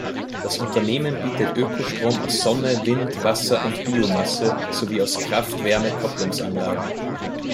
Das Unternehmen bietet Ökostrom aus Sonne, Wind, Wasser und Biomasse sowie aus Kraft-Wärme-Kopplungsanlagen.